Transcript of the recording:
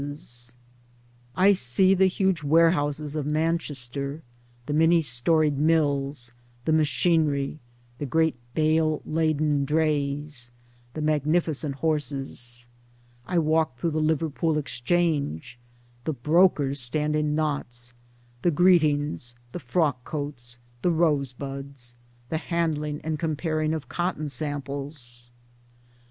58 Towards Democracy I see the huge warehouses of Manchester, the many storied mills, the machinery, the great bale laden drays, the magnificent horses ; I walk through the Liverpool Exchange ; the brokers stand in knots ; the greetings, the frock coats, the rosebuds ; the handling and comparing of cotton samples.